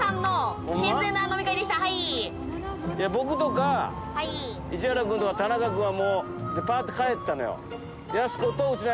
僕とか市原君とか田中君はもうぱっと帰ったのよ。